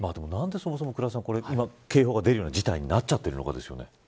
なんで、そもそも警報が出るような事態になっちゃってるんですかね。